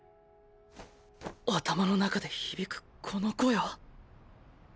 頭の中で響くこの声は